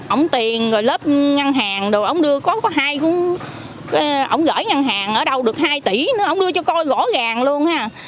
ổng tiền rồi lớp ngân hàng đồ ổng đưa có hai ổng gửi ngân hàng ở đâu được hai tỷ nữa ổng đưa cho coi gõ gàng luôn ha